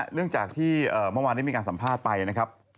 เนื่องจากที่เมื่อวานนี้มีการสัมภาษณ์ไปนะครับ